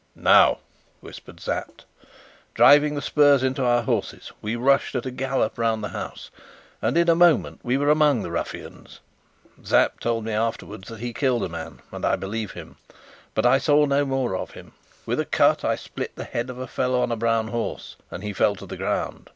"Now!" whispered Sapt. Driving the spurs into our horses, we rushed at a gallop round the house, and in a moment we were among the ruffians. Sapt told me afterwards that he killed a man, and I believe him; but I saw no more of him. With a cut, I split the head of a fellow on a brown horse, and he fell to the ground.